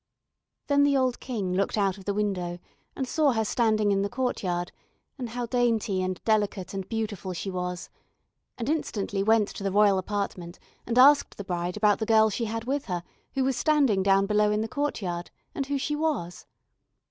Then the old King looked out of the window and saw her standing in the courtyard, and how dainty and delicate and beautiful she was, and instantly went to the royal apartment, and asked the bride about the girl she had with her who was standing down below in the courtyard, and who she was.